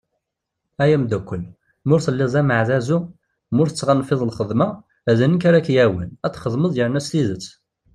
Ay amddakel, ma ur telliḍ d ameɛdazu, ma ur tettɣanfiḍ lxedma, d nekk ara ak-yawin , ad txedmeḍ yerna s tidet.